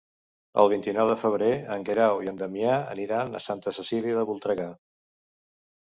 El vint-i-nou de febrer en Guerau i en Damià aniran a Santa Cecília de Voltregà.